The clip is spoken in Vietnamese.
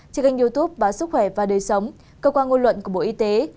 trên kênh youtube và sức khỏe và đời sống cơ quan ngôn luận của bộ y tế